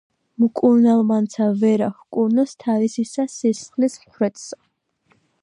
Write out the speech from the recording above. მკურნალმანცა ვერა ჰკურნოს თავისისა სისხლის მხვრეტსა.